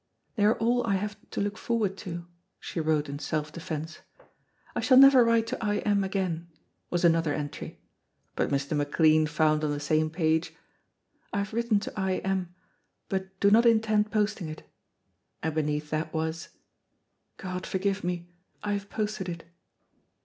"They are all I have to look forward to," she wrote in self defence. "I shall never write to I M again," was another entry, but Mr. McLean found on the same page, "I have written to I M , but do not intend posting it," and beneath that was, "God forgive me, I have posted it."